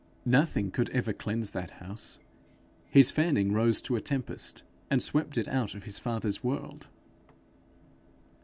Nothing could ever cleanse that house; his fanning rose to a tempest, and swept it out of his father's world.